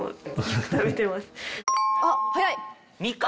あっ早い。